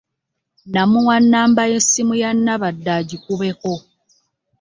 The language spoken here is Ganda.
Namuwa nnamba y'essimu ya Nabadda agikubeko.